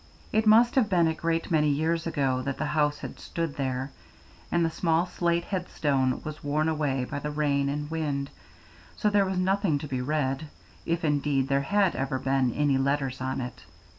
It must have been a great many years ago that the house had stood there; and the small slate head stone was worn away by the rain and wind, so there was nothing to be read, if indeed there had ever been any letters on it.